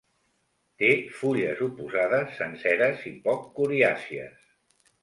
Té fulles oposades, senceres i poc coriàcies.